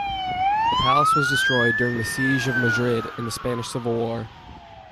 The Palace was destroyed during the Siege of Madrid in the Spanish Civil War.